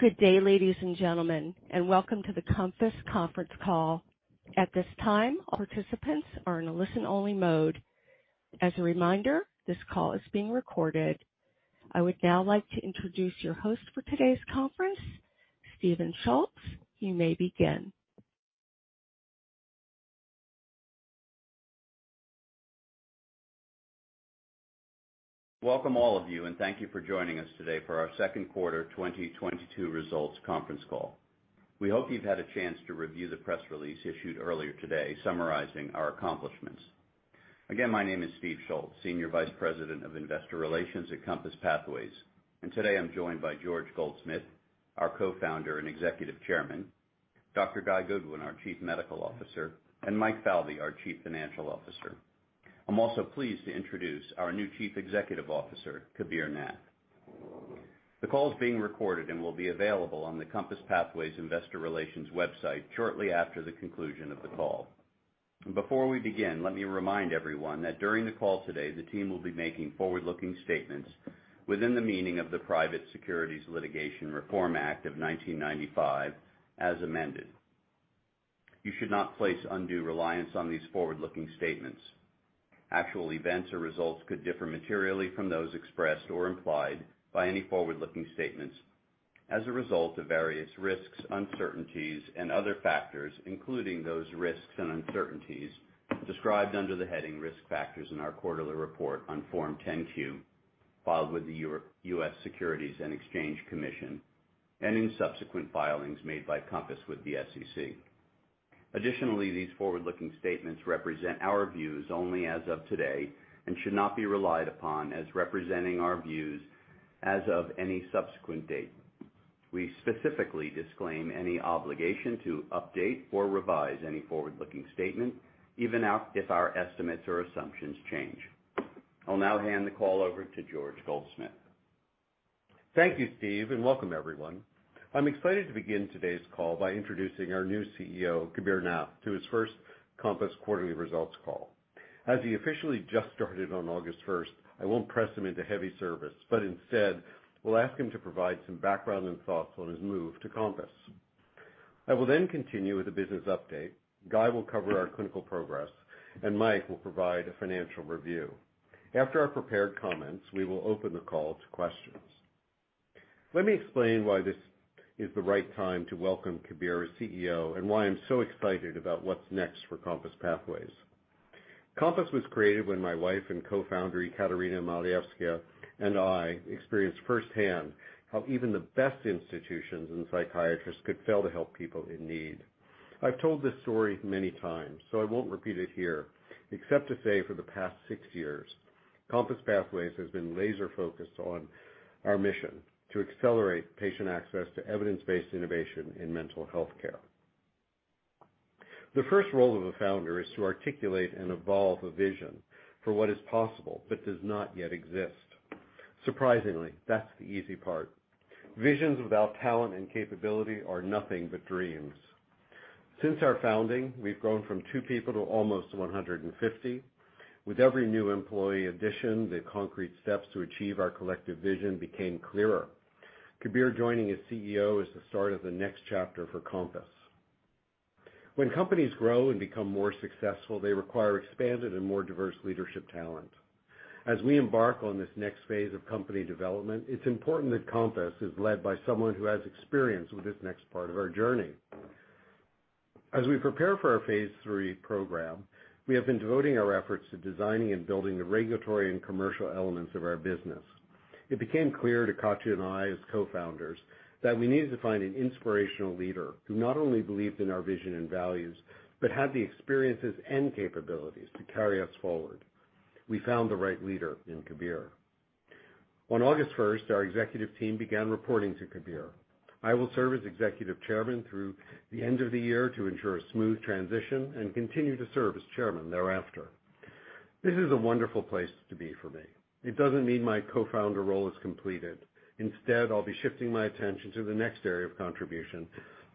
Good day, ladies and gentlemen, and welcome to the COMPASS conference call. At this time, participants are in a listen-only mode. As a reminder, this call is being recorded. I would now like to introduce your host for today's conference, Stephen Schultz. You may begin. Welcome all of you, and thank you for joining us today for our second quarter 2022 results conference call. We hope you've had a chance to review the press release issued earlier today summarizing our accomplishments. Again, my name is Steve Schultz, Senior Vice President of Investor Relations at COMPASS Pathways, and today I'm joined by George Goldsmith, our Co-founder and Executive Chairman, Dr. Guy Goodwin, our Chief Medical Officer, and Mike Falvey, our Chief Financial Officer. I'm also pleased to introduce our new Chief Executive Officer, Kabir Nath. The call is being recorded and will be available on the COMPASS Pathways Investor Relations website shortly after the conclusion of the call. Before we begin, let me remind everyone that during the call today, the team will be making forward-looking statements within the meaning of the Private Securities Litigation Reform Act of 1995 as amended. You should not place undue reliance on these forward-looking statements. Actual events or results could differ materially from those expressed or implied by any forward-looking statements as a result of various risks, uncertainties, and other factors, including those risks and uncertainties described under the heading Risk Factors in our quarterly report on Form 10-Q, filed with the U.S. Securities and Exchange Commission, and in subsequent filings made by COMPASS Pathways with the SEC. Additionally, these forward-looking statements represent our views only as of today and should not be relied upon as representing our views as of any subsequent date. We specifically disclaim any obligation to update or revise any forward-looking statement, even if our estimates or assumptions change. I'll now hand the call over to George Goldsmith. Thank you, Steve, and welcome everyone. I'm excited to begin today's call by introducing our new CEO, Kabir Nath, to his first Compass quarterly results call. As he officially just started on August first, I won't press him into heavy service, but instead will ask him to provide some background and thoughts on his move to Compass. I will then continue with a business update. Guy will cover our clinical progress, and Mike will provide a financial review. After our prepared comments, we will open the call to questions. Let me explain why this is the right time to welcome Kabir as CEO and why I'm so excited about what's next for COMPASS Pathways. COMPASS Pathways was created when my wife and co-founder, Ekaterina Malievskaia, and I experienced firsthand how even the best institutions and psychiatrists could fail to help people in need. I've told this story many times, so I won't repeat it here, except to say for the past six years, COMPASS Pathways has been laser-focused on our mission to accelerate patient access to evidence-based innovation in mental health care. The first role of a founder is to articulate and evolve a vision for what is possible but does not yet exist. Surprisingly, that's the easy part. Visions without talent and capability are nothing but dreams. Since our founding, we've grown from 2 people to almost 150. With every new employee addition, the concrete steps to achieve our collective vision became clearer. Kabir joining as CEO is the start of the next chapter for COMPASS. When companies grow and become more successful, they require expanded and more diverse leadership talent. As we embark on this next phase of company development, it's important that COMPASS is led by someone who has experience with this next part of our journey. As we prepare for our phase III program, we have been devoting our efforts to designing and building the regulatory and commercial elements of our business. It became clear to Katya and I as co-founders that we needed to find an inspirational leader who not only believed in our vision and values, but had the experiences and capabilities to carry us forward. We found the right leader in Kabir. On August first, our executive team began reporting to Kabir. I will serve as executive chairman through the end of the year to ensure a smooth transition and continue to serve as chairman thereafter. This is a wonderful place to be for me. It doesn't mean my co-founder role is completed. Instead, I'll be shifting my attention to the next area of contribution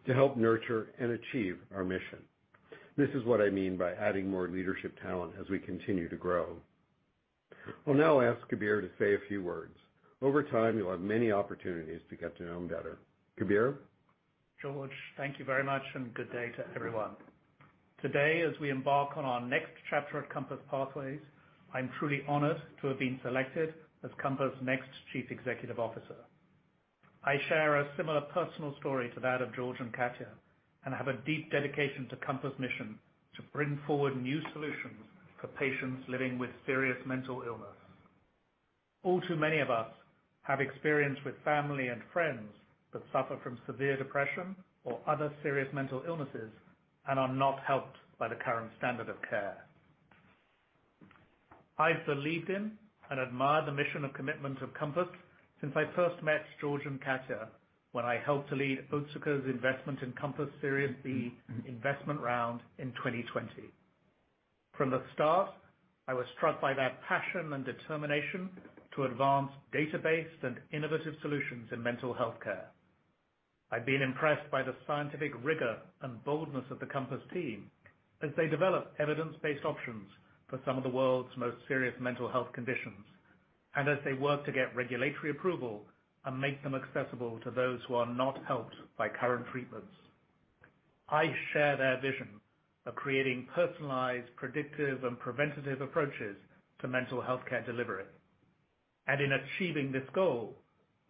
to help nurture and achieve our mission. This is what I mean by adding more leadership talent as we continue to grow. I'll now ask Kabir to say a few words. Over time, you'll have many opportunities to get to know him better. Kabir. George, thank you very much, and good day to everyone. Today, as we embark on our next chapter at COMPASS Pathways, I'm truly honored to have been selected as COMPASS's next Chief Executive Officer. I share a similar personal story to that of George and Katya and have a deep dedication to COMPASS's mission to bring forward new solutions for patients living with serious mental illness. All too many of us have experience with family and friends that suffer from severe depression or other serious mental illnesses and are not helped by the current standard of care. I've believed in and admired the mission and commitment of COMPASS since I first met George and Katya when I helped to lead Otsuka's investment in COMPASS's series B investment round in 2020. From the start, I was struck by their passion and determination to advance data-based and innovative solutions in mental health care. I've been impressed by the scientific rigor and boldness of the COMPASS team as they develop evidence-based options for some of the world's most serious mental health conditions, and as they work to get regulatory approval and make them accessible to those who are not helped by current treatments. I share their vision of creating personalized, predictive, and preventative approaches to mental health care delivery. In achieving this goal,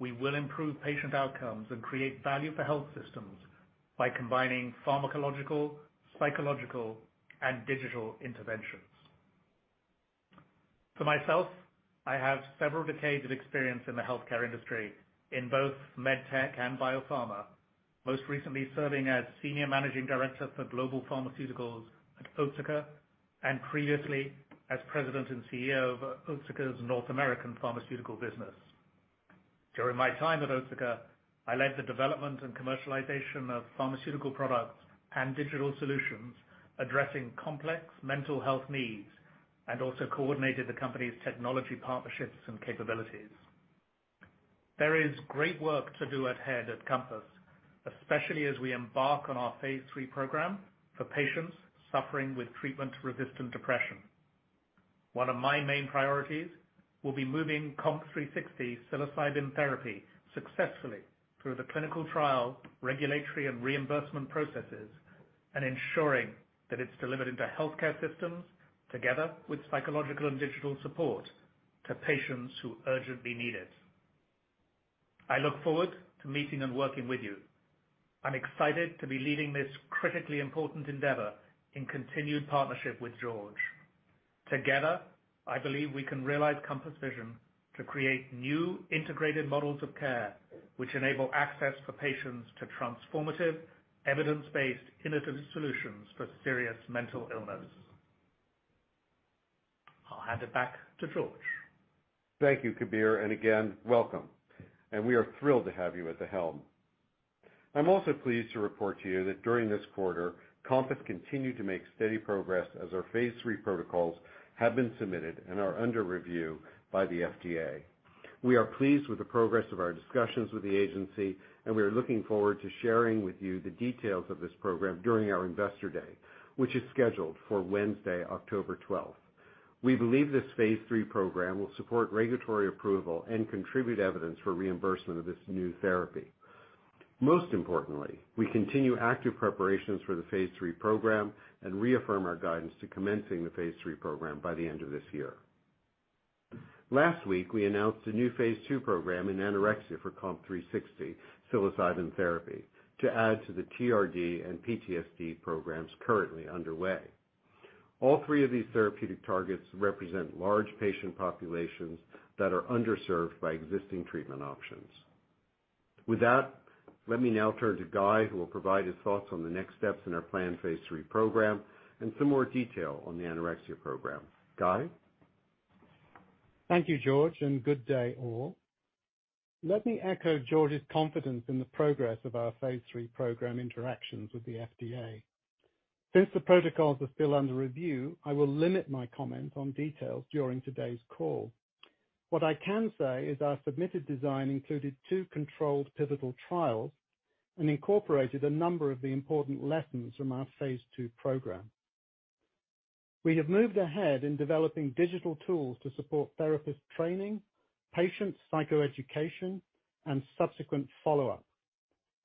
we will improve patient outcomes and create value for health systems by combining pharmacological, psychological, and digital interventions. For myself, I have several decades of experience in the healthcare industry in both med tech and biopharma, most recently serving as Senior Managing Director for Global Pharmaceuticals at Otsuka, and previously as President and CEO of Otsuka's North American pharmaceutical business. During my time at Otsuka, I led the development and commercialization of pharmaceutical products and digital solutions addressing complex mental health needs and also coordinated the company's technology, partnerships, and capabilities. There is great work to do at hand at COMPASS Pathways, especially as we embark on our phase III program for patients suffering with treatment-resistant depression. One of my main priorities will be moving COMP360 psilocybin therapy successfully through the clinical trial, regulatory, and reimbursement processes, and ensuring that it's delivered into healthcare systems together with psychological and digital support to patients who urgently need it. I look forward to meeting and working with you. I'm excited to be leading this critically important endeavor in continued partnership with George. Together, I believe we can realize COMPASS Pathways' vision to create new integrated models of care which enable access for patients to transformative, evidence-based, innovative solutions for serious mental illness. I'll hand it back to George. Thank you, Kabir, and again, welcome, and we are thrilled to have you at the helm. I'm also pleased to report to you that during this quarter, COMPASS Pathways continued to make steady progress as our phase III protocols have been submitted and are under review by the FDA. We are pleased with the progress of our discussions with the agency, and we are looking forward to sharing with you the details of this program during our investor day, which is scheduled for Wednesday, October 12th. We believe this phase III program will support regulatory approval and contribute evidence for reimbursement of this new therapy. Most importantly, we continue active preparations for the phase III program and reaffirm our guidance to commencing the phase III program by the end of this year. Last week, we announced a new phase II program in anorexia for COMP360 psilocybin therapy to add to the TRD and PTSD programs currently underway. All three of these therapeutic targets represent large patient populations that are underserved by existing treatment options. With that, let me now turn to Guy, who will provide his thoughts on the next steps in our planned phase III program and some more detail on the anorexia program. Guy? Thank you, George, and good day, all. Let me echo George's confidence in the progress of our phase III program interactions with the FDA. Since the protocols are still under review, I will limit my comments on details during today's call. What I can say is our submitted design included two controlled pivotal trials and incorporated a number of the important lessons from our phase II program. We have moved ahead in developing digital tools to support therapist training, patient psychoeducation, and subsequent follow-up.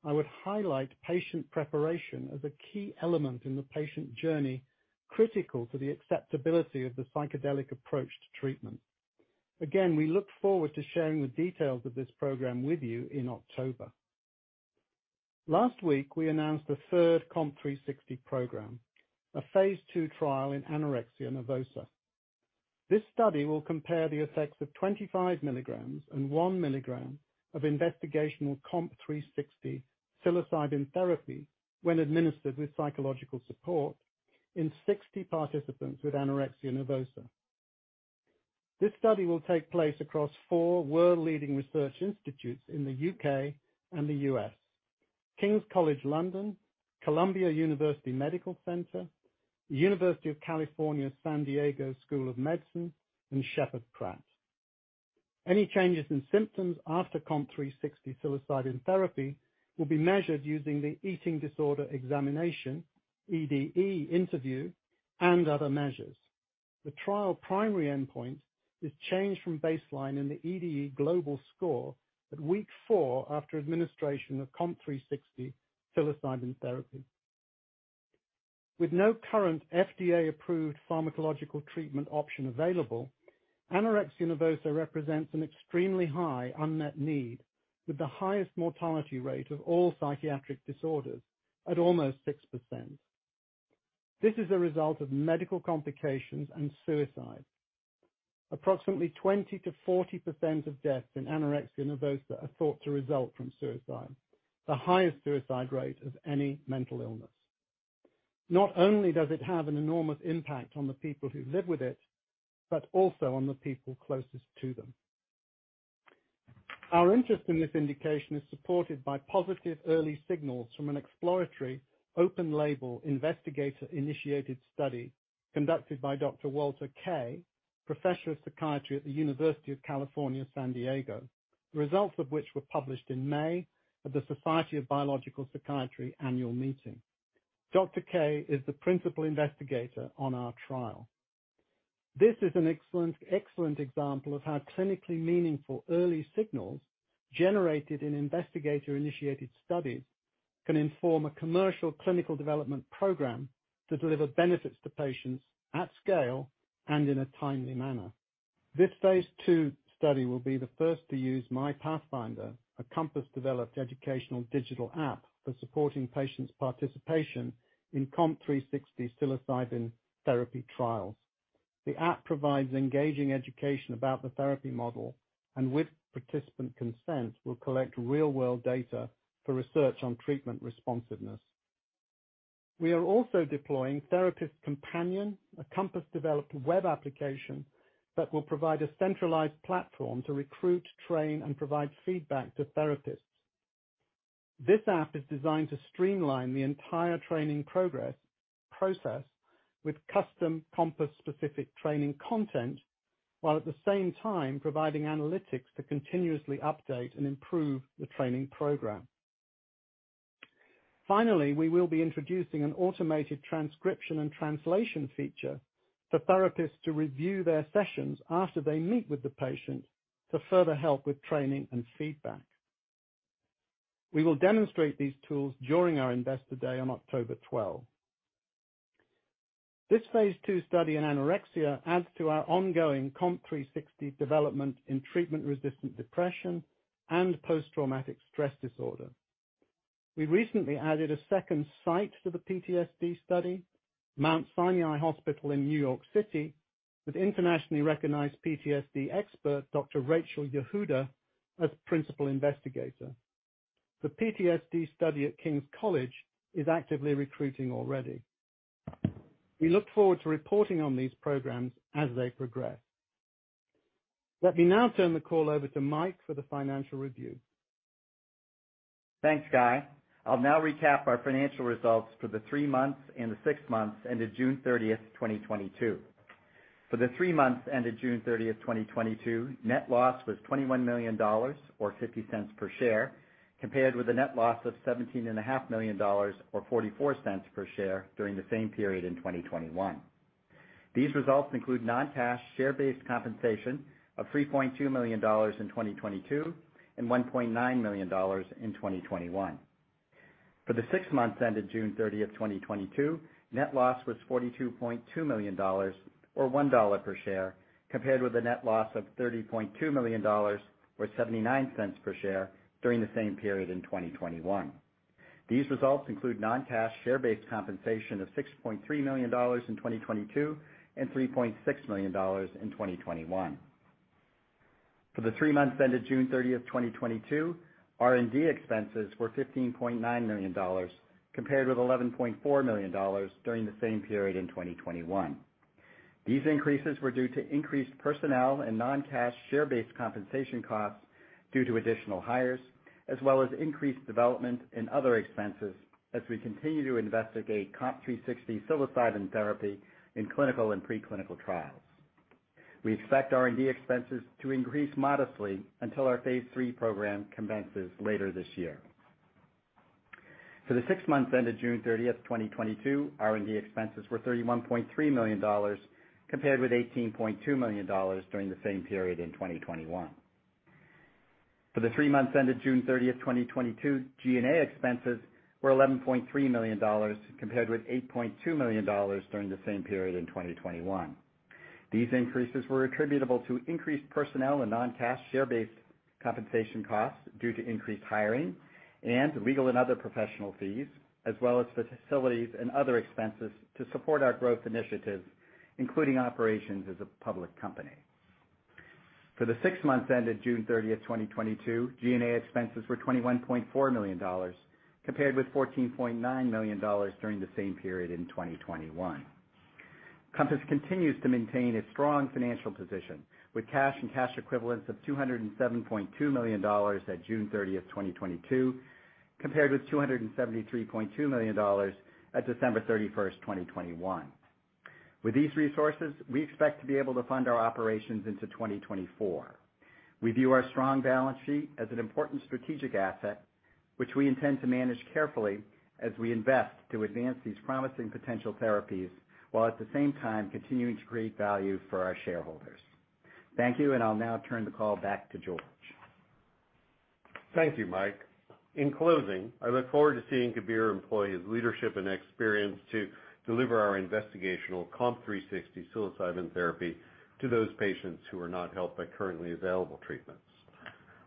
I would highlight patient preparation as a key element in the patient journey critical to the acceptability of the psychedelic approach to treatment. Again, we look forward to sharing the details of this program with you in October. Last week, we announced a third COMP360 program, a phase II trial in anorexia nervosa. This study will compare the effects of 25 milligrams and 1 milligram of investigational COMP360 psilocybin therapy when administered with psychological support in 60 participants with anorexia nervosa. This study will take place across 4 world-leading research institutes in the U.K. and the U.S., King's College London, Columbia University Irving Medical Center, University of California San Diego School of Medicine, and Sheppard Pratt. Any changes in symptoms after COMP360 psilocybin therapy will be measured using the Eating Disorder Examination, EDE interview, and other measures. The trial primary endpoint is change from baseline in the EDE global score at week 4 after administration of COMP360 psilocybin therapy. With no current FDA-approved pharmacological treatment option available, anorexia nervosa represents an extremely high unmet need with the highest mortality rate of all psychiatric disorders at almost 6%. This is a result of medical complications and suicide. Approximately 20%-40% of deaths in anorexia nervosa are thought to result from suicide, the highest suicide rate of any mental illness. Not only does it have an enormous impact on the people who live with it, but also on the people closest to them. Our interest in this indication is supported by positive early signals from an exploratory open-label investigator-initiated study conducted by Dr. Walter Kaye, Professor of Psychiatry at the University of California, San Diego, the results of which were published in May at the Society of Biological Psychiatry annual meeting. Dr. Kaye is the principal investigator on our trial. This is an excellent example of how clinically meaningful early signals generated in investigator-initiated studies can inform a commercial clinical development program to deliver benefits to patients at scale and in a timely manner. This phase II study will be the first to use myPathfinder, a COMPASS-developed educational digital app for supporting patients' participation in COMP360 psilocybin therapy trials. The app provides engaging education about the therapy model, and with participant consent, will collect real-world data for research on treatment responsiveness. We are also deploying Therapist Companion, a COMPASS-developed web application that will provide a centralized platform to recruit, train, and provide feedback to therapists. This app is designed to streamline the entire training process with custom COMPASS-specific training content, while at the same time providing analytics to continuously update and improve the training program. Finally, we will be introducing an automated transcription and translation feature for therapists to review their sessions after they meet with the patient to further help with training and feedback. We will demonstrate these tools during our Investor Day on October 12. This phase II study in anorexia adds to our ongoing COMP360 development in treatment-resistant depression and post-traumatic stress disorder. We recently added a second site to the PTSD study, Mount Sinai Hospital in New York City, with internationally recognized PTSD expert, Dr. Rachel Yehuda, as principal investigator. The PTSD study at King's College is actively recruiting already. We look forward to reporting on these programs as they progress. Let me now turn the call over to Mike for the financial review. Thanks, Guy. I'll now recap our financial results for the three months and the six months ended June 30, 2022. For the three months ended June 30, 2022, net loss was $21 million or $0.50 per share, compared with a net loss of $17.5 million or $0.44 per share during the same period in 2021. These results include non-cash share-based compensation of $3.2 million in 2022 and $1.9 million in 2021. For the six months ended June 30, 2022, net loss was $42.2 million or $1 per share, compared with a net loss of $30.2 million or $0.79 per share during the same period in 2021. These results include non-cash share-based compensation of $6.3 million in 2022 and $3.6 million in 2021. For the three months ended June 30, 2022, R&D expenses were $15.9 million, compared with $11.4 million during the same period in 2021. These increases were due to increased personnel and non-cash share-based compensation costs due to additional hires, as well as increased development in other expenses as we continue to investigate COMP360 psilocybin therapy in clinical and pre-clinical trials. We expect R&D expenses to increase modestly until our phase III program commences later this year. For the six months ended June 30, 2022, R&D expenses were $31.3 million, compared with $18.2 million during the same period in 2021. For the three months ended June 30, 2022, G&A expenses were $11.3 million, compared with $8.2 million during the same period in 2021. These increases were attributable to increased personnel and non-cash share-based compensation costs due to increased hiring and legal and other professional fees, as well as facilities and other expenses to support our growth initiatives, including operations as a public company. For the six months ended June 30, 2022, G&A expenses were $21.4 million, compared with $14.9 million during the same period in 2021. COMPASS continues to maintain its strong financial position with cash and cash equivalents of $207.2 million at June 30, 2022, compared with $273.2 million at December 31, 2021. With these resources, we expect to be able to fund our operations into 2024. We view our strong balance sheet as an important strategic asset, which we intend to manage carefully as we invest to advance these promising potential therapies, while at the same time continuing to create value for our shareholders. Thank you, and I'll now turn the call back to George. Thank you, Mike. In closing, I look forward to seeing Kabir employ his leadership and experience to deliver our investigational COMP360 psilocybin therapy to those patients who are not helped by currently available treatments.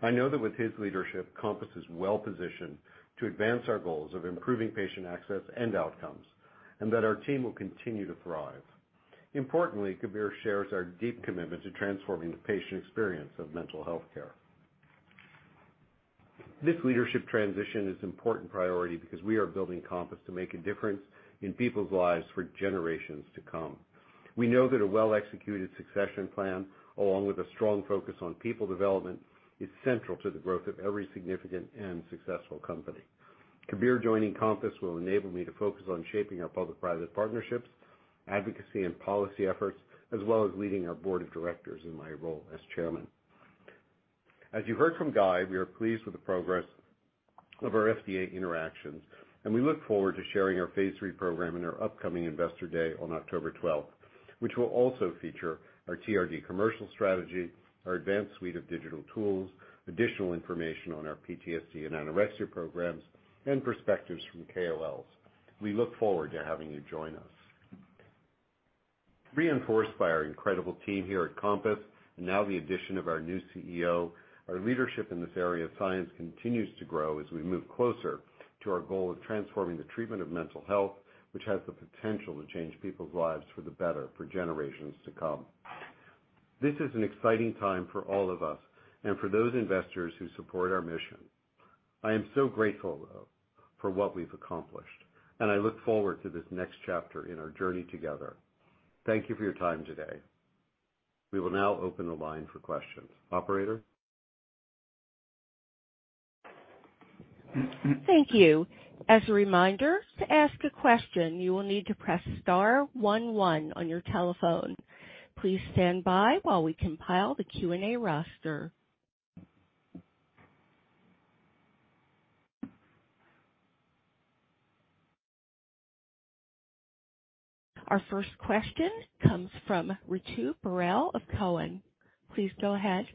I know that with his leadership, COMPASS Pathways is well positioned to advance our goals of improving patient access and outcomes, and that our team will continue to thrive. Importantly, Kabir shares our deep commitment to transforming the patient experience of mental health care. This leadership transition is important priority because we are building COMPASS Pathways to make a difference in people's lives for generations to come. We know that a well-executed succession plan along with a strong focus on people development is central to the growth of every significant and successful company. Kabir joining Compass will enable me to focus on shaping our public-private partnerships, advocacy, and policy efforts, as well as leading our board of directors in my role as chairman. As you heard from Guy, we are pleased with the progress of our FDA interactions, and we look forward to sharing our phase III program in our upcoming Investor Day on October 12th, which will also feature our TRD commercial strategy, our advanced suite of digital tools, additional information on our PTSD and anorexia programs, and perspectives from KOLs. We look forward to having you join us. Reinforced by our incredible team here at COMPASS Pathways and now the addition of our new CEO, our leadership in this area of science continues to grow as we move closer to our goal of transforming the treatment of mental health, which has the potential to change people's lives for the better for generations to come. This is an exciting time for all of us and for those investors who support our mission. I am so grateful, though, for what we've accomplished, and I look forward to this next chapter in our journey together. Thank you for your time today. We will now open the line for questions. Operator? Thank you. As a reminder, to ask a question, you will need to press star one one on your telephone. Please stand by while we compile the Q&A roster. Our first question comes from Ritu Baral of Cowen. Please go ahead.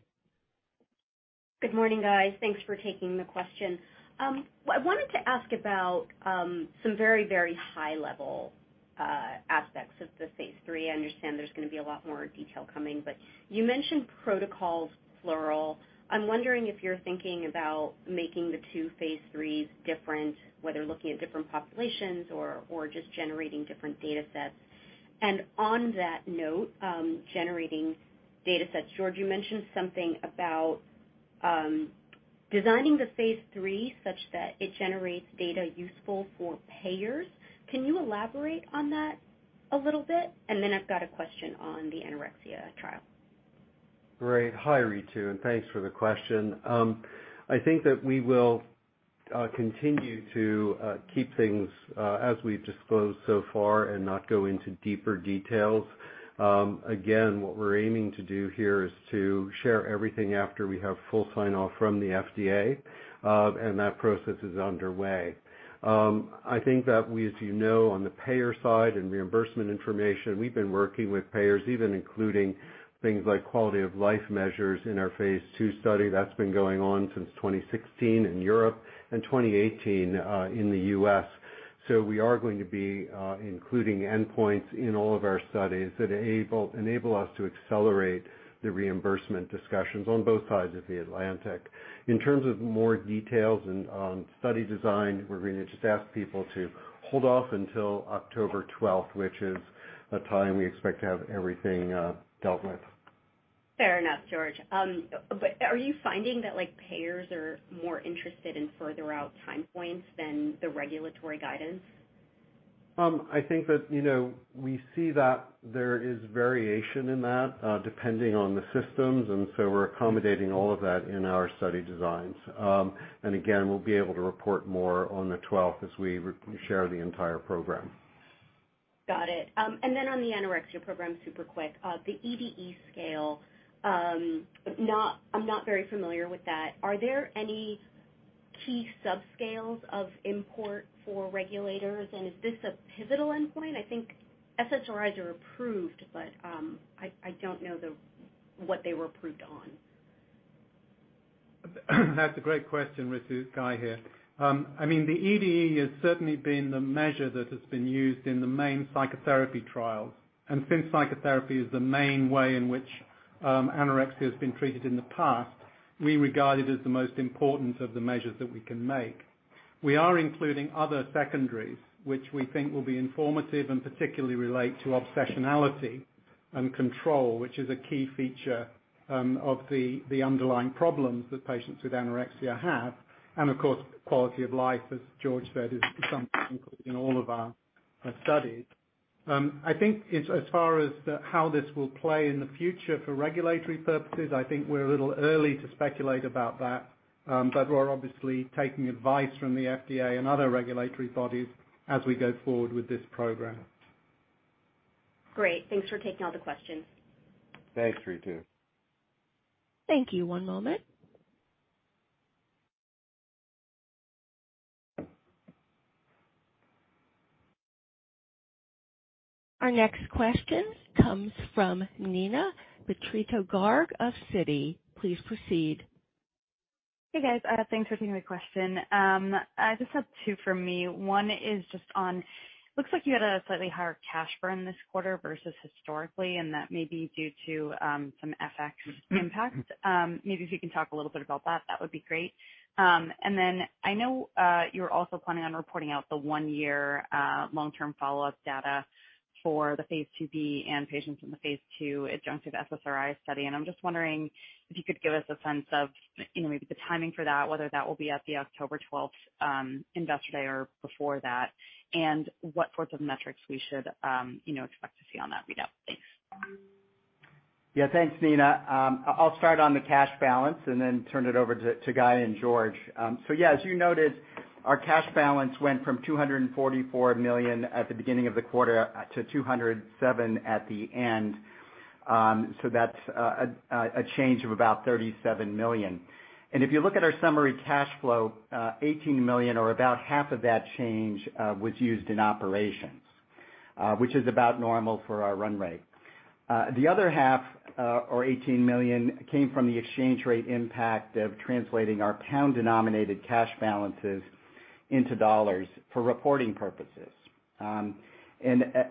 Good morning, guys. Thanks for taking the question. I wanted to ask about some very, very high-level aspects of the phase III. I understand there's gonna be a lot more detail coming, but you mentioned protocols, plural. I'm wondering if you're thinking about making the two phase IIIs different, whether looking at different populations or just generating different datasets. On that note, generating datasets, George, you mentioned something about designing the phase III such that it generates data useful for payers. Can you elaborate on that a little bit? Then I've got a question on the anorexia trial. Great. Hi, Ritu, and thanks for the question. I think that we will continue to keep things as we've disclosed so far and not go into deeper details. Again, what we're aiming to do here is to share everything after we have full sign-off from the FDA, and that process is underway. I think that we, as you know, on the payer side and reimbursement information, we've been working with payers, even including things like quality of life measures in our phase II study. That's been going on since 2016 in Europe and 2018 in the U.S.. We are going to be including endpoints in all of our studies that enable us to accelerate the reimbursement discussions on both sides of the Atlantic. In terms of more details and on study design, we're gonna just ask people to hold off until October 12th, which is a time we expect to have everything dealt with. Fair enough, George. Are you finding that, like, payers are more interested in further out time points than the regulatory guidance? I think that, you know, we see that there is variation in that, depending on the systems, and so we're accommodating all of that in our study designs. Again, we'll be able to report more on the 12th as we share the entire program. Got it. On the anorexia program, super quick, the EDE scale, I'm not very familiar with that. Are there any key subscales of import for regulators, and is this a pivotal endpoint? I think SSRIs are approved, but I don't know what they were approved on. That's a great question, Ritu. Guy here. I mean, the EDE has certainly been the measure that has been used in the main psychotherapy trials. Since psychotherapy is the main way in which anorexia has been treated in the past, we regard it as the most important of the measures that we can make. We are including other secondaries, which we think will be informative and particularly relate to obsessionality and control, which is a key feature of the underlying problems that patients with anorexia have, and of course, quality of life, as George said, is something in all of our studies. I think it's as far as how this will play in the future for regulatory purposes. I think we're a little early to speculate about that, but we're obviously taking advice from the FDA and other regulatory bodies as we go forward with this program. Great. Thanks for taking all the questions. Thanks, Ritu. Thank you. One moment. Our next question comes from Neena Bitritto-Garg of Citi. Please proceed. Hey, guys. Thanks for taking my question. I just have two for me. One is just Looks like you had a slightly higher cash burn this quarter versus historically, and that may be due to some FX impact. Maybe if you can talk a little bit about that would be great. I know you're also planning on reporting out the one-year long-term follow-up data for the phase II-B and patients in the phase II adjunctive SSRI study. I'm just wondering if you could give us a sense of, you know, maybe the timing for that, whether that will be at the October 12th Investor Day or before that, and what sorts of metrics we should, you know, expect to see on that readout. Thanks. Yeah. Thanks, Nina. I'll start on the cash balance and then turn it over to Guy and George. As you noted, our cash balance went from $244 million at the beginning of the quarter to $207 million at the end. That's a change of about $37 million. If you look at our summary cash flow, $18 million or about half of that change was used in operations, which is about normal for our run rate. The other half or $18 million came from the exchange rate impact of translating our pound-denominated cash balances into dollars for reporting purposes.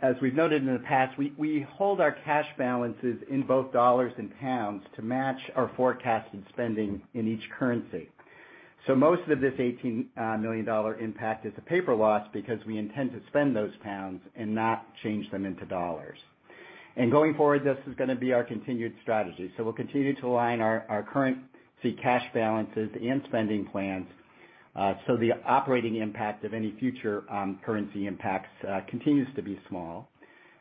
As we've noted in the past, we hold our cash balances in both dollars and pounds to match our forecasted spending in each currency. Most of this $18 million impact is a paper loss because we intend to spend those pounds and not change them into dollars. Going forward, this is gonna be our continued strategy. We'll continue to align our currency cash balances and spending plans so the operating impact of any future currency impacts continues to be small.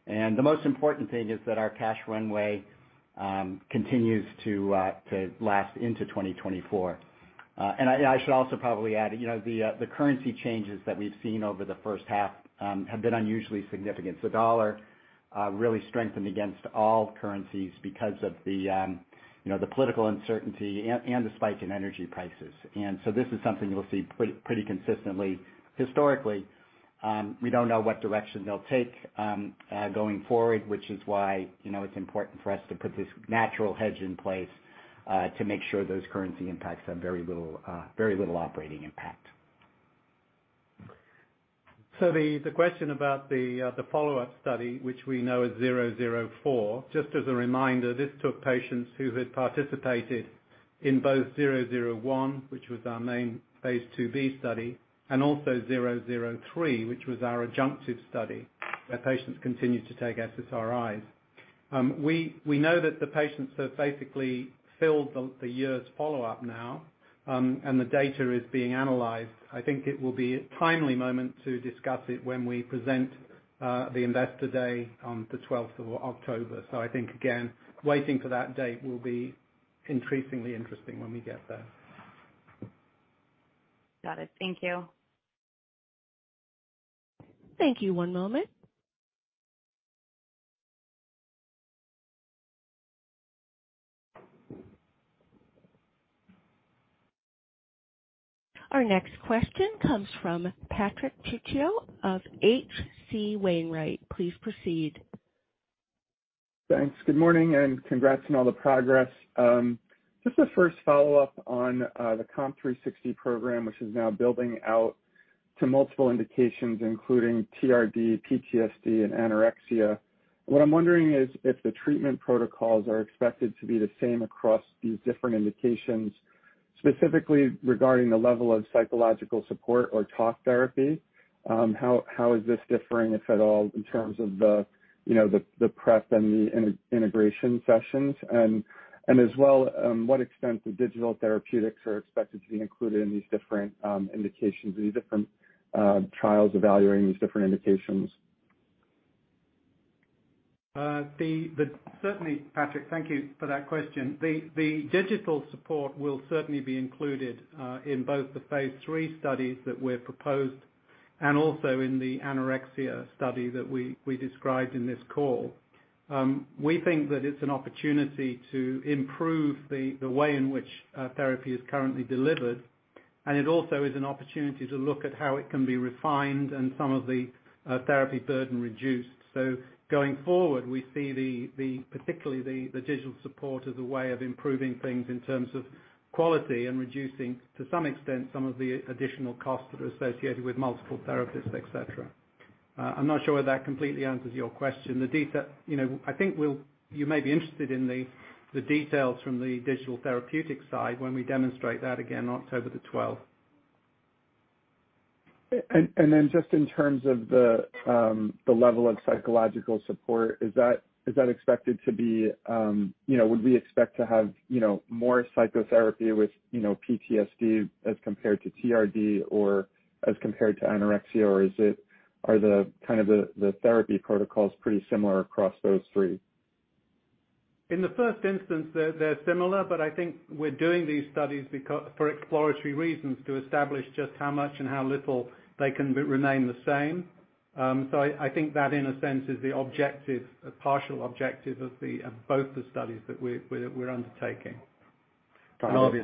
The most important thing is that our cash runway continues to last into 2024. I should also probably add, you know, the currency changes that we've seen over the first half have been unusually significant. The dollar really strengthened against all currencies because of the political uncertainty and the spike in energy prices. This is something you'll see pretty consistently historically. We don't know what direction they'll take, going forward, which is why, you know, it's important for us to put this natural hedge in place, to make sure those currency impacts have very little operating impact. The question about the follow-up study, which we know is zero zero four. Just as a reminder, this took patients who had participated in both zero zero one, which was our main phase II-B study, and also 003, which was our adjunctive study, where patients continued to take SSRIs. We know that the patients have basically filled the year's follow-up now, and the data is being analyzed. I think it will be a timely moment to discuss it when we present the Investor Day on the 12th of October. I think, again, waiting for that date will be increasingly interesting when we get there. Got it. Thank you. Thank you. One moment. Our next question comes from Patrick Trucchio of H.C. Wainwright. Please proceed. Thanks. Good morning, and congrats on all the progress. Just a first follow-up on the COMP360 program, which is now building out to multiple indications including TRD, PTSD, and anorexia. What I'm wondering is if the treatment protocols are expected to be the same across these different indications, specifically regarding the level of psychological support or talk therapy, how is this differing, if at all, in terms of the, you know, the prep and the integration sessions? As well, what extent the digital therapeutics are expected to be included in these different indications or these different trials evaluating these different indications? Certainly, Patrick. Thank you for that question. The digital support will certainly be included in both the phase III studies that we're proposed and also in the anorexia study that we described in this call. We think that it's an opportunity to improve the way in which therapy is currently delivered, and it also is an opportunity to look at how it can be refined and some of the therapy burden reduced. Going forward, we see particularly the digital support as a way of improving things in terms of quality and reducing, to some extent, some of the additional costs that are associated with multiple therapists, et cetera. I'm not sure whether that completely answers your question. You know, I think we'll. You may be interested in the details from the digital therapeutic side when we demonstrate that again October the 12th. Just in terms of the level of psychological support, is that expected to be, you know, would we expect to have, you know, more psychotherapy with, you know, PTSD as compared to TRD or as compared to anorexia? Or are the kind of therapy protocols pretty similar across those three? In the first instance, they're similar, but I think we're doing these studies for exploratory reasons to establish just how much and how little they can remain the same. I think that in a sense is the objective, a partial objective of both the studies that we're undertaking. Hi,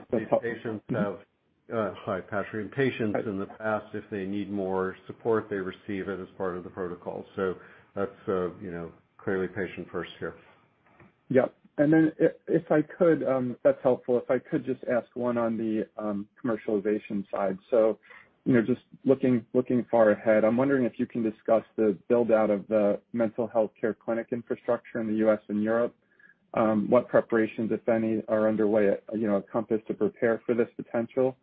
Patrick. Patients in the past, if they need more support, they receive it as part of the protocol. That's, you know, clearly patient first here. That's helpful. If I could just ask one on the commercialization side. You know, just looking far ahead, I'm wondering if you can discuss the build-out of the mental health care clinic infrastructure in the US and Europe. What preparations, if any, are underway at, you know, at Compass to prepare for this potential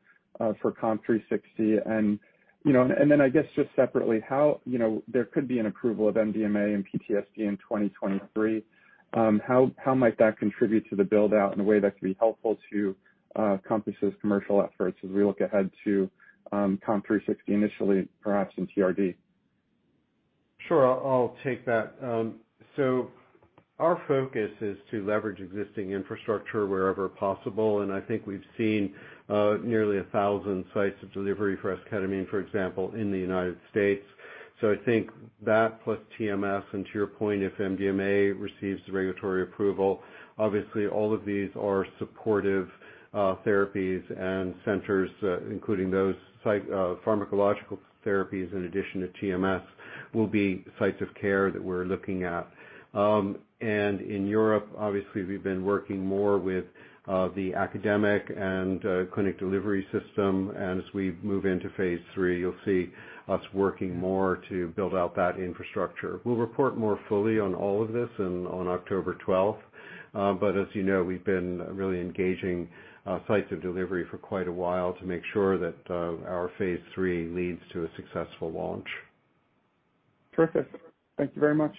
for COMP360? You know, then I guess just separately, how, you know, there could be an approval of MDMA and PTSD in 2023. How might that contribute to the build-out in a way that could be helpful to Compass' commercial efforts as we look ahead to COMP360 initially, perhaps in TRD? Sure. I'll take that. Our focus is to leverage existing infrastructure wherever possible, and I think we've seen nearly 1,000 sites of delivery for esketamine, for example, in the United States. I think that plus TMS, and to your point, if MDMA receives the regulatory approval, obviously all of these are supportive therapies and centers, including those pharmacological therapies in addition to TMS, will be sites of care that we're looking at. In Europe, obviously, we've been working more with the academic and clinic delivery system. As we move into phase III, you'll see us working more to build out that infrastructure. We'll report more fully on all of this on October 12th. As you know, we've been really engaging sites of delivery for quite a while to make sure that our phase III leads to a successful launch. Terrific. Thank you very much.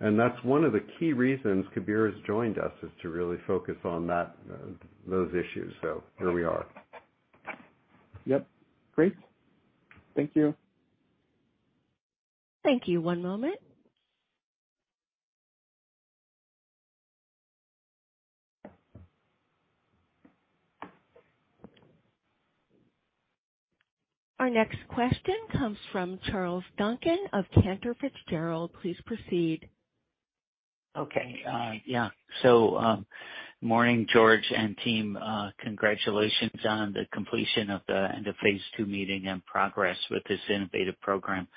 That's one of the key reasons Kabir has joined us, is to really focus on that, those issues. Here we are. Yep. Great. Thank you. Thank you. One moment. Our next question comes from Charles Duncan of Cantor Fitzgerald. Please proceed. Okay. Yeah. Morning, George and team, congratulations on the completion of the end of phase II meeting and progress with this innovative program.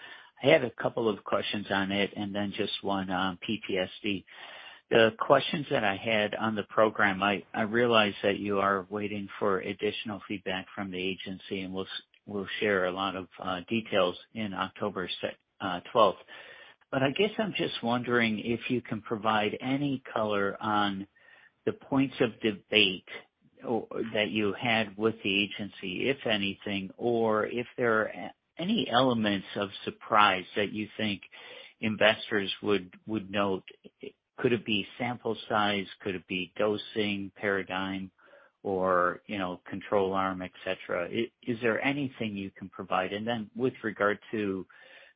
I had a couple of questions on it and then just one on PTSD. The questions that I had on the program, I realize that you are waiting for additional feedback from the agency, and we'll share a lot of details in October 12th. I guess I'm just wondering if you can provide any color on the points of debate or that you had with the agency, if anything, or if there are any elements of surprise that you think investors would note. Could it be sample size? Could it be dosing paradigm or, you know, control arm, et cetera? Is there anything you can provide? With regard to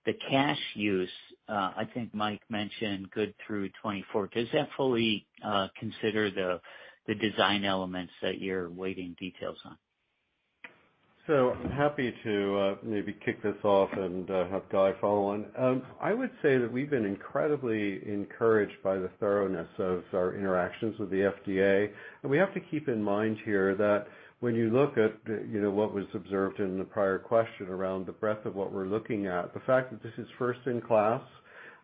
the cash use, I think Mike mentioned good through 2024. Does that fully consider the design elements that you're waiting on details? Happy to maybe kick this off and have Guy follow on. I would say that we've been incredibly encouraged by the thoroughness of our interactions with the FDA. We have to keep in mind here that when you look at, you know, what was observed in the prior question around the breadth of what we're looking at, the fact that this is first in class,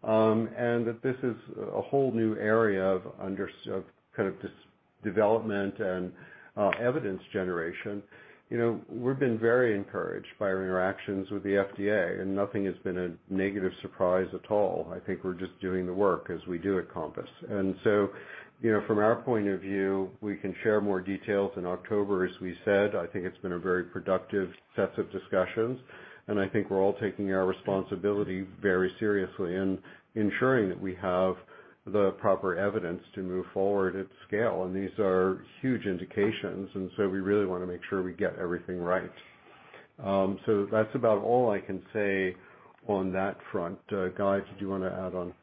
and that this is a whole new area of kind of this development and evidence generation. You know, we've been very encouraged by our interactions with the FDA, and nothing has been a negative surprise at all. I think we're just doing the work as we do at Compass. You know, from our point of view, we can share more details in October, as we said. I think it's been a very productive sets of discussions, and I think we're all taking our responsibility very seriously and ensuring that we have the proper evidence to move forward at scale. These are huge indications, we really want to make sure we get everything right. That's about all I can say on that front. Guy, did you want to add on?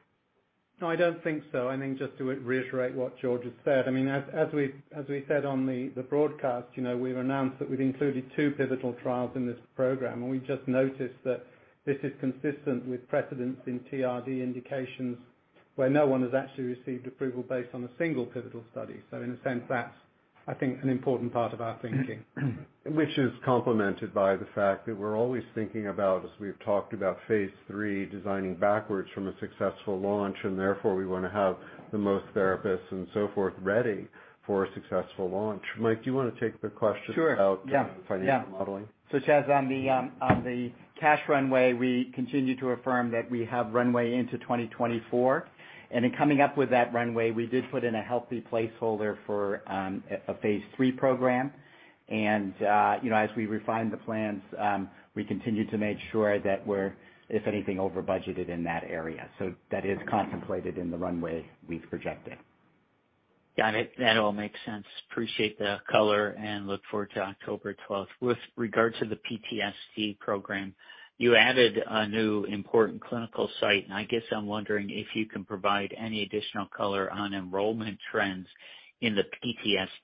No, I don't think so. I think just to reiterate what George has said. I mean, as we said on the broadcast, you know, we've announced that we've included two pivotal trials in this program, and we just noticed that this is consistent with precedents in TRD indications where no one has actually received approval based on a single pivotal study. In a sense, that's, I think, an important part of our thinking. Which is complemented by the fact that we're always thinking about, as we've talked about phase III, designing backwards from a successful launch, and therefore we want to have the most therapists and so forth ready for a successful launch. Mike, do you want to take the question? Sure. About financial modeling? Charles, on the cash runway, we continue to affirm that we have runway into 2024. In coming up with that runway, we did put in a healthy placeholder for a phase III program. You know, as we refine the plans, we continue to make sure that we're, if anything, over-budgeted in that area. That is contemplated in the runway we've projected. Got it. That all makes sense. Appreciate the color and look forward to October 12th. With regard to the PTSD program, you added a new important clinical site, and I guess I'm wondering if you can provide any additional color on enrollment trends in the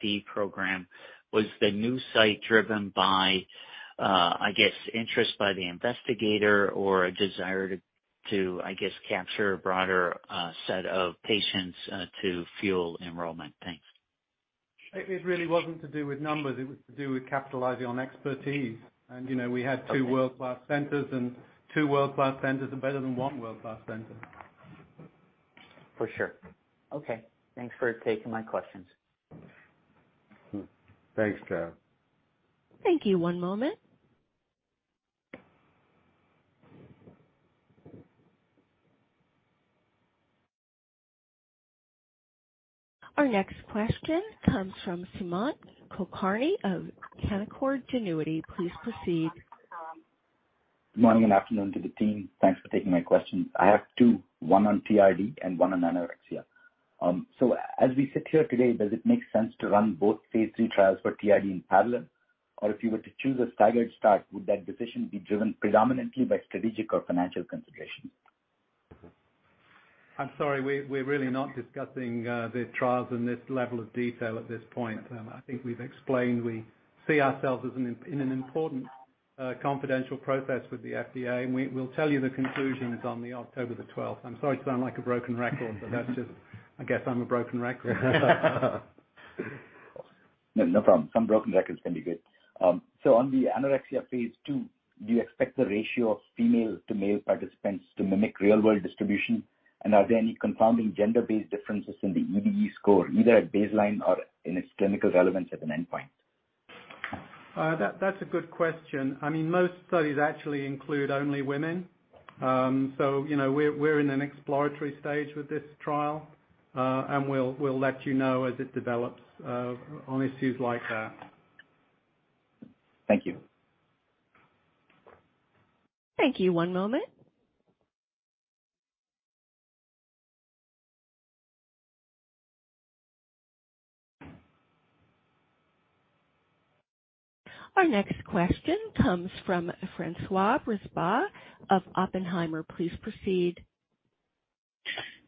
PTSD program. Was the new site driven by, I guess, interest by the investigator or a desire to, I guess, capture a broader set of patients to fuel enrollment? Thanks. It really wasn't to do with numbers. It was to do with capitalizing on expertise. You know, we had two world-class centers, and two world-class centers are better than one world-class center. For sure. Okay. Thanks for taking my questions. Thanks, Charles. Thank you. One moment. Our next question comes from Sumant Kulkarni of Canaccord Genuity. Please proceed. Good morning and afternoon to the team. Thanks for taking my questions. I have two, one on TRD and one on anorexia. As we sit here today, does it make sense to run both phase III trials for TRD in parallel? Or if you were to choose a staggered start, would that decision be driven predominantly by strategic or financial considerations? I'm sorry. We're really not discussing the trials in this level of detail at this point. I think we've explained we see ourselves as in an important confidential process with the FDA, and we'll tell you the conclusions on October 12th. I'm sorry to sound like a broken record, but that's just I guess I'm a broken record. No, no problem. Some broken records can be good. On the anorexia phase II, do you expect the ratio of female to male participants to mimic real-world distribution? Are there any confounding gender-based differences in the EDE score, either at baseline or in its clinical relevance at an endpoint? That's a good question. I mean, most studies actually include only women. You know, we're in an exploratory stage with this trial, and we'll let you know as it develops, on issues like that. Thank you. Thank you. One moment. Our next question comes from Francois Brisebois of Oppenheimer. Please proceed.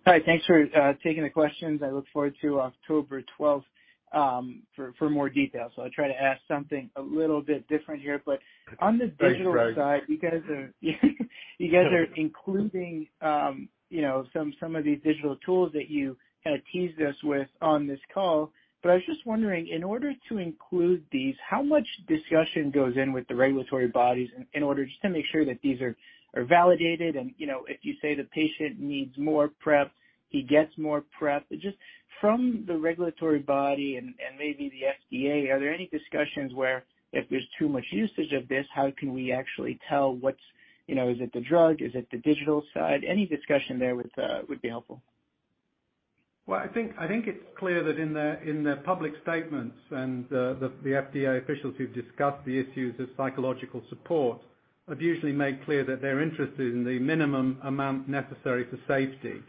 Hi. Thanks for taking the questions. I look forward to October 12th for more details. I'll try to ask something a little bit different here. On the digital- Sorry. Aside, you guys are including, you know, some of these digital tools that you kinda teased us with on this call. I was just wondering, in order to include these, how much discussion goes in with the regulatory bodies in order just to make sure that these are validated and, you know, if you say the patient needs more prep, he gets more prep. Just from the regulatory body and maybe the FDA, are there any discussions where if there's too much usage of this, how can we actually tell what's, you know, is it the drug? Is it the digital side? Any discussion there would be helpful. Well, I think it's clear that in the public statements and the FDA officials who've discussed the issues of psychological support have usually made clear that they're interested in the minimum amount necessary for safety.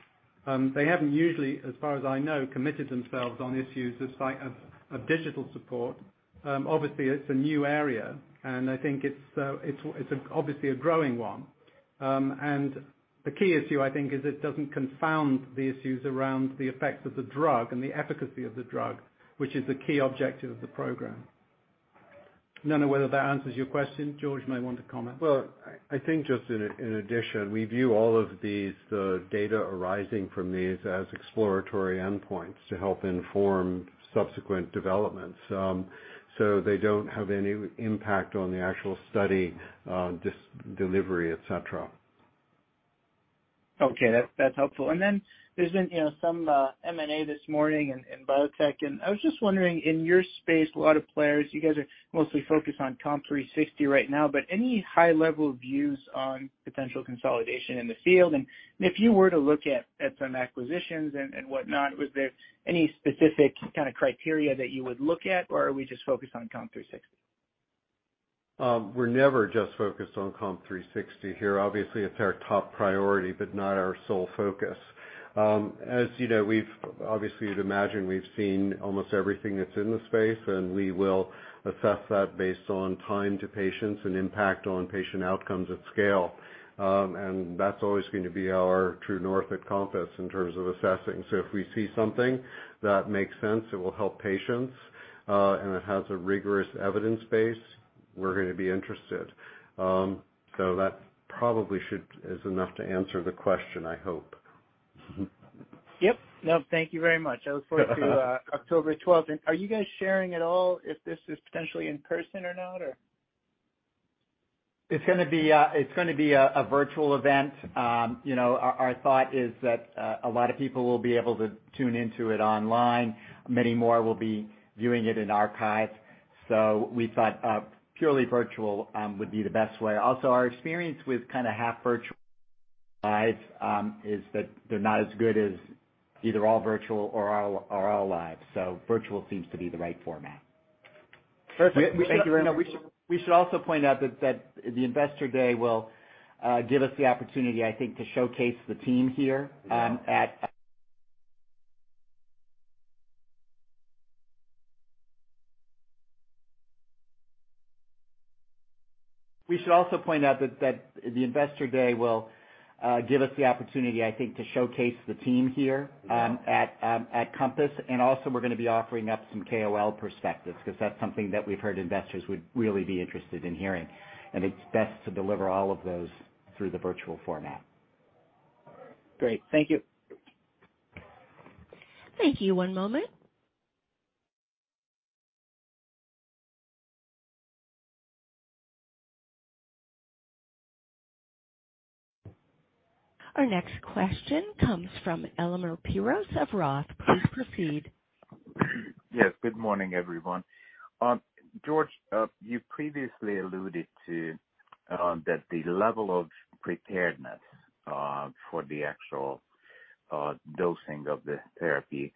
They haven't usually, as far as I know, committed themselves on issues of digital support. Obviously it's a new area, and I think it's obviously a growing one. And the key issue, I think, is it doesn't confound the issues around the effects of the drug and the efficacy of the drug, which is the key objective of the program. Don't know whether that answers your question. George may want to comment. Well, I think just in addition, we view all of these, the data arising from these, as exploratory endpoints to help inform subsequent developments. So they don't have any impact on the actual study, delivery, et cetera. Okay. That's helpful. Then there's been, you know, some M&A this morning in biotech, and I was just wondering, in your space, a lot of players, you guys are mostly focused on COMP360 right now, but any high-level views on potential consolidation in the field? If you were to look at some acquisitions and whatnot, was there any specific kinda criteria that you would look at, or are we just focused on COMP360? We're never just focused on COMP360 here. Obviously, it's our top priority, but not our sole focus. As you know, obviously you'd imagine we've seen almost everything that's in the space, and we will assess that based on time to patients and impact on patient outcomes at scale. That's always going to be our true north at COMPASS in terms of assessing. If we see something that makes sense, it will help patients, and it has a rigorous evidence base, we're gonna be interested. That probably is enough to answer the question, I hope. Yep. No, thank you very much. I look forward to October 12th. Are you guys sharing at all if this is potentially in person or not, or? It's gonna be a virtual event. You know, our thought is that a lot of people will be able to tune into it online. Many more will be viewing it in archive. We thought purely virtual would be the best way. Also, our experience with kinda half virtual lives is that they're not as good as either all virtual or all live. Virtual seems to be the right format. Perfect. Thank you very much. We should also point out that the investor day will give us the opportunity, I think, to showcase the team here at COMPASS. Also we're gonna be offering up some KOL perspectives 'cause that's something that we've heard investors would really be interested in hearing, and it's best to deliver all of those through the virtual format. Great. Thank you. Thank you. One moment. Our next question comes from Elemer Piros of Roth. Please proceed. Yes, good morning, everyone. George, you previously alluded to that the level of preparedness for the actual dosing of the therapy.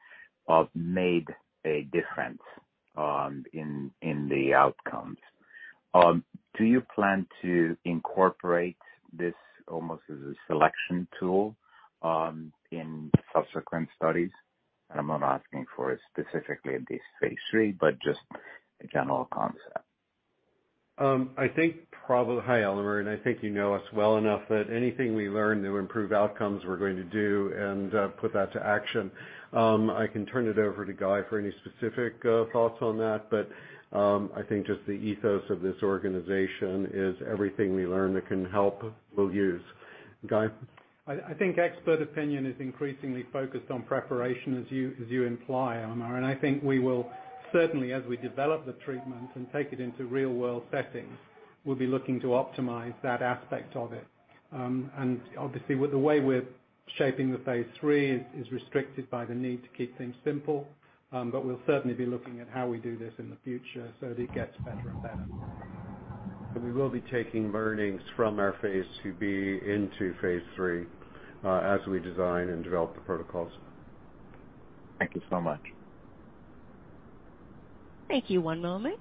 It made a difference in the outcomes. Do you plan to incorporate this almost as a selection tool in subsequent studies? I'm not asking for it specifically this phase III, but just a general concept. I think probably. Hi, Elemer, and I think you know us well enough that anything we learn to improve outcomes, we're going to do and put that to action. I can turn it over to Guy for any specific thoughts on that, but I think just the ethos of this organization is everything we learn that can help, we'll use. Guy? I think expert opinion is increasingly focused on preparation, as you imply, Elmer. I think we will certainly, as we develop the treatment and take it into real-world settings, we'll be looking to optimize that aspect of it. Obviously with the way we're shaping the phase III is restricted by the need to keep things simple. We'll certainly be looking at how we do this in the future so that it gets better and better. We will be taking learnings from our phase II-B into phase III, as we design and develop the protocols. Thank you so much. Thank you. One moment.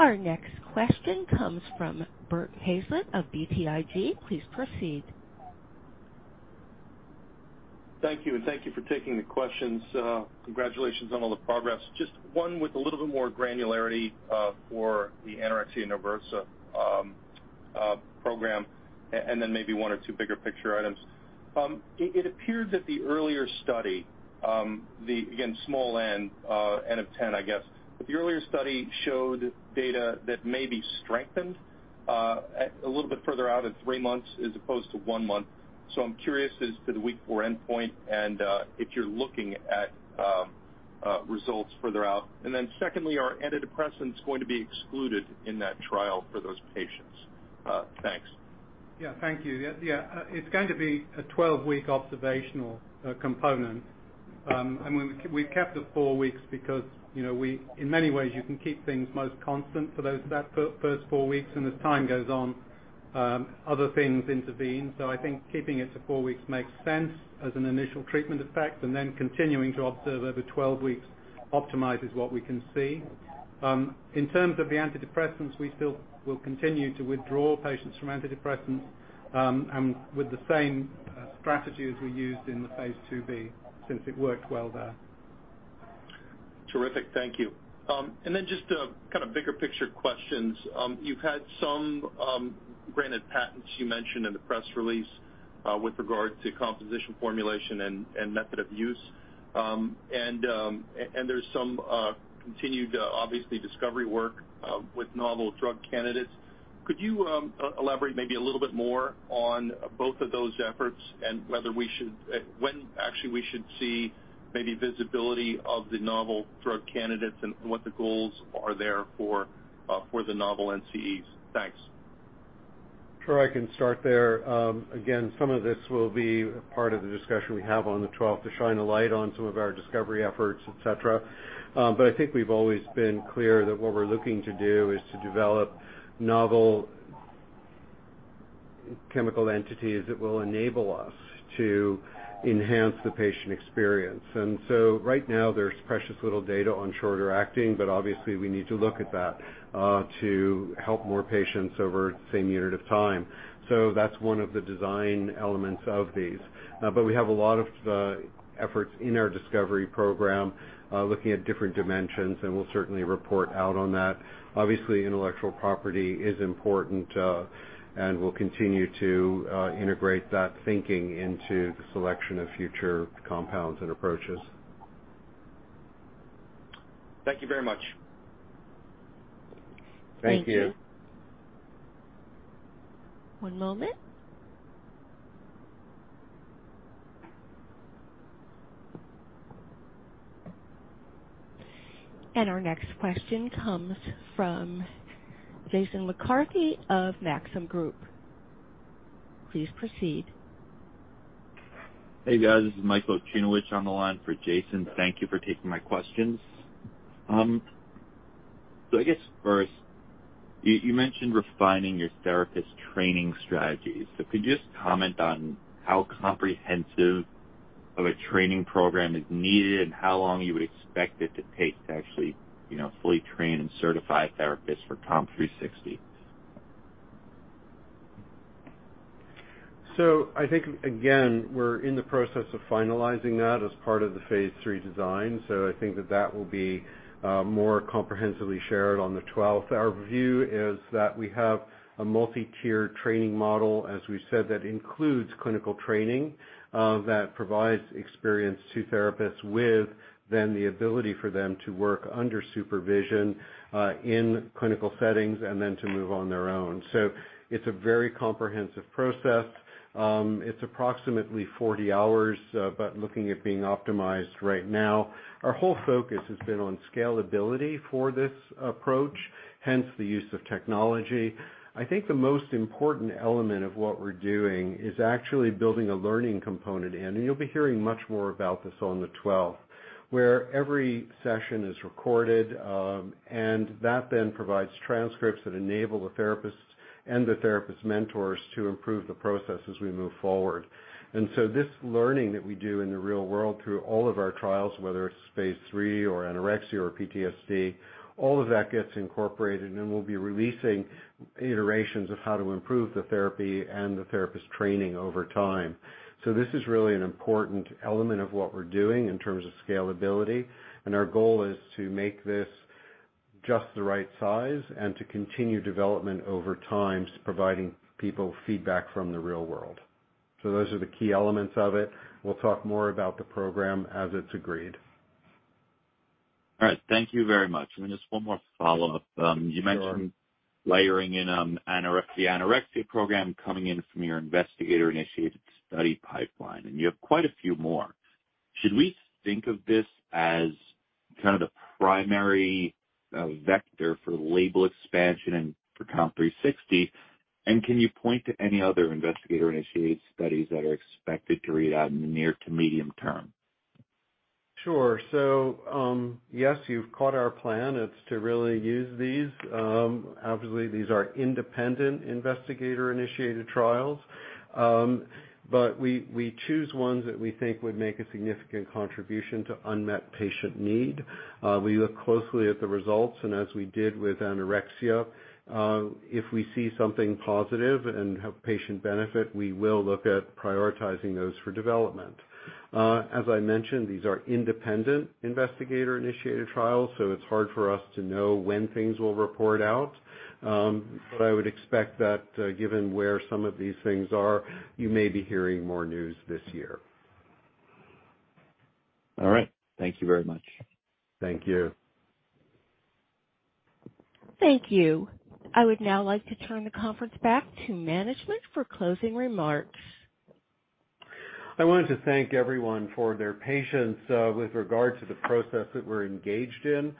Our next question comes from Bert Hazlett of BTIG. Please proceed. Thank you, and thank you for taking the questions. Congratulations on all the progress. Just one with a little bit more granularity for the anorexia nervosa program, and then maybe one or two bigger picture items. It appeared that the earlier study, again, small n of 10, I guess. The earlier study showed data that may be strengthened a little bit further out at 3 months as opposed to 1 month. I'm curious as to the week 4 endpoint and if you're looking at results further out. Secondly, are antidepressants going to be excluded in that trial for those patients? Thanks. Yeah, thank you. Yeah, yeah, it's going to be a 12-week observational component. We kept it 4 weeks because, you know, in many ways you can keep things most constant for those first 4 weeks, and as time goes on, other things intervene. I think keeping it to 4 weeks makes sense as an initial treatment effect, and then continuing to observe over 12 weeks optimizes what we can see. In terms of the antidepressants, we still will continue to withdraw patients from antidepressants, and with the same strategies we used in the phase II-B since it worked well there. Terrific. Thank you. Just kind of bigger picture questions. You've had some granted patents you mentioned in the press release with regard to composition formulation and method of use. There's some continued obviously discovery work with novel drug candidates. Could you elaborate maybe a little bit more on both of those efforts and whether we should when actually we should see maybe visibility of the novel drug candidates and what the goals are there for the novel NCEs? Thanks. Sure, I can start there. Again, some of this will be part of the discussion we have on the 12th, to shine a light on some of our discovery efforts, et cetera. I think we've always been clear that what we're looking to do is to develop novel chemical entities that will enable us to enhance the patient experience. Right now there's precious little data on shorter acting, but obviously we need to look at that, to help more patients over the same unit of time. That's one of the design elements of these. We have a lot of efforts in our discovery program, looking at different dimensions, and we'll certainly report out on that. Obviously, intellectual property is important, and we'll continue to integrate that thinking into the selection of future compounds and approaches. Thank you very much. Thank you. Thank you. One moment. Our next question comes from Jason McCarthy of Maxim Group. Please proceed. Hey, guys. This is Michael Okunewitch on the line for Jason. Thank you for taking my questions. I guess first, you mentioned refining your therapist training strategies. Could you just comment on how comprehensive of a training program is needed and how long you would expect it to take to actually, you know, fully train and certify a therapist for COMP360? I think, again, we're in the process of finalizing that as part of the phase III design. I think that will be more comprehensively shared on the 12th. Our view is that we have a multi-tiered training model, as we said, that includes clinical training that provides experience to therapists, then the ability for them to work under supervision in clinical settings and then to move on their own. It's a very comprehensive process. It's approximately 40 hours but looking at being optimized right now. Our whole focus has been on scalability for this approach, hence the use of technology. I think the most important element of what we're doing is actually building a learning component in, and you'll be hearing much more about this on the 12th, where every session is recorded, and that then provides transcripts that enable the therapists and the therapist mentors to improve the process as we move forward. This learning that we do in the real world through all of our trials, whether it's phase III or anorexia or PTSD, all of that gets incorporated, and then we'll be releasing iterations of how to improve the therapy and the therapist training over time. This is really an important element of what we're doing in terms of scalability, and our goal is to make this just the right size and to continue development over time, providing people feedback from the real world. Those are the key elements of it. We'll talk more about the program as it's agreed. All right. Thank you very much. Just one more follow-up. Sure. You mentioned layering in, the anorexia program coming in from your investigator-initiated study pipeline, and you have quite a few more. Should we think of this as kind of the primary, vector for label expansion and for COMP360? Can you point to any other investigator-initiated studies that are expected to read out in the near-to-medium term? Sure. Yes, you've caught our plan. It's to really use these. Obviously, these are independent investigator-initiated trials. We choose ones that we think would make a significant contribution to unmet patient need. We look closely at the results, and as we did with anorexia, if we see something positive and have patient benefit, we will look at prioritizing those for development. As I mentioned, these are independent investigator-initiated trials, so it's hard for us to know when things will report out. I would expect that, given where some of these things are, you may be hearing more news this year. All right. Thank you very much. Thank you. Thank you. I would now like to turn the conference back to management for closing remarks. I wanted to thank everyone for their patience with regard to the process that we're engaged in.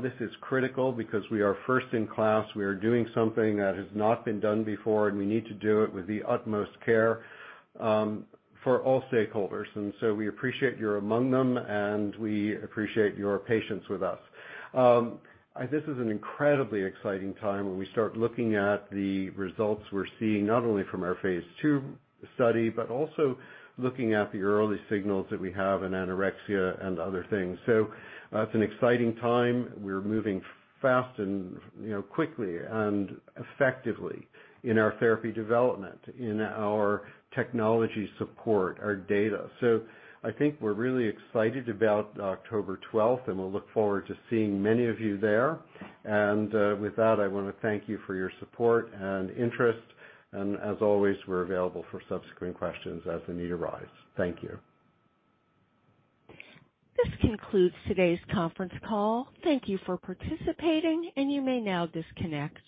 This is critical because we are first in class. We are doing something that has not been done before, and we need to do it with the utmost care for all stakeholders. We appreciate you're among them, and we appreciate your patience with us. This is an incredibly exciting time when we start looking at the results we're seeing not only from our phase II study, but also looking at the early signals that we have in anorexia and other things. It's an exciting time. We're moving fast and, you know, quickly and effectively in our therapy development, in our technology support, our data. I think we're really excited about October 12th, and we'll look forward to seeing many of you there. With that, I want to thank you for your support and interest. As always, we're available for subsequent questions as the need arise. Thank you. This concludes today's conference call. Thank you for participating, and you may now disconnect.